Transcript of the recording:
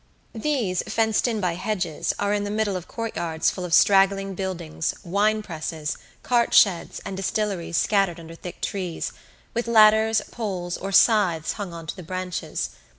These, fenced in by hedges, are in the middle of courtyards full of straggling buildings, wine presses, cart sheds and distilleries scattered under thick trees, with ladders, poles, or scythes hung on to the branches.